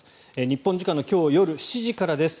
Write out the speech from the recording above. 日本時間の今日夜７時からです。